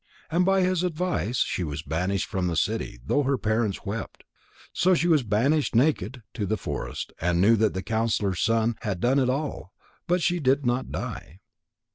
And by his advice, she was banished from the city, though her parents wept. So she was banished naked to the forest and knew that the counsellor's son had done it all, but she did not die.